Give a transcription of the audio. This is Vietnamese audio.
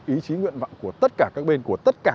ý chí nguyện vọng của tất cả các bên của tất cả